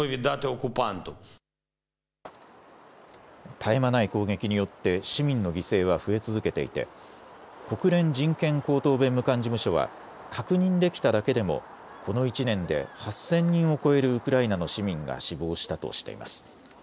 絶え間ない攻撃によって市民の犠牲は増え続けていて国連人権高等弁務官事務所は確認できただけでもこの１年で８０００人を超えるウクライナの市民が死亡したとしています。